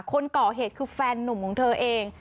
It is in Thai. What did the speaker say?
คนก่อเหตุคือแฟนนุ่มของเธอเอง